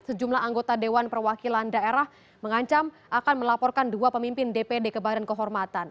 sejumlah anggota dewan perwakilan daerah mengancam akan melaporkan dua pemimpin dpd ke badan kehormatan